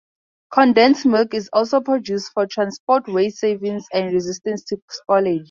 Condensed milk is also produced for transport weight savings and resistance to spoilage.